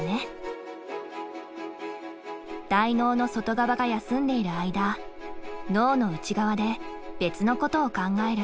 大脳の外側が休んでいる間脳の内側で別のことを考える。